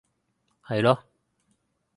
係囉